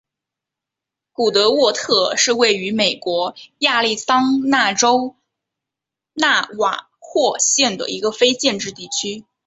古德沃特是位于美国亚利桑那州纳瓦霍县的一个非建制地区。